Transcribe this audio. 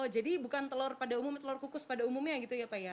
jadi bukan telur pada umumnya telur kukus pada umumnya gitu ya pak ya